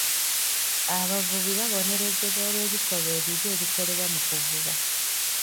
Abavubi babonerezebwa olw'ebikolwa ebibi ebikolebwa mu kuvuba.